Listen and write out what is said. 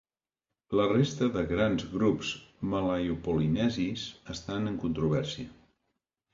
La resta de grans grups malaiopolinèsis estan en controvèrsia.